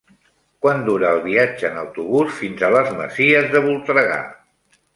Quant dura el viatge en autobús fins a les Masies de Voltregà?